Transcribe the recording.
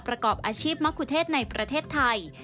ประกอบอาชีพมะคุเทศในประเทศไทย